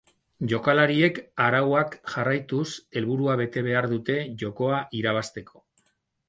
Jokalariek arauak jarraituz helburua bete behar dute jokoa irabazteko.